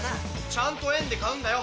ちゃんと「円」で買うんだよ。